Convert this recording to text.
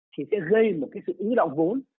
thì sẽ gây một cái sự ưu động vốn